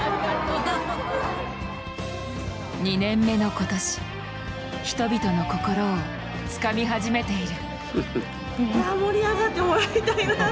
２年目の今年人々の心をつかみ始めている。